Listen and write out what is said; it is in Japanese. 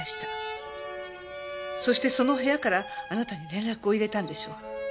そしてその部屋からあなたに連絡を入れたんでしょう。